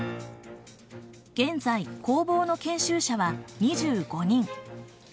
現在工房の研修者は２５人。